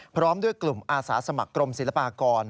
พร้อมด้วยกลุ่มอาสาสมัครกรมศิลปากร